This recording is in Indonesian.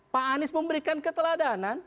pak anies memberikan keteladanan